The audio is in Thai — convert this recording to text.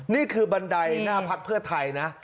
นี่คือบันไดหน้าพักเพื่อไทยนะ